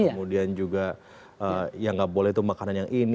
kemudian juga yang enggak boleh itu makanan yang ini